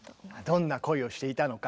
どんな恋をしていたのか。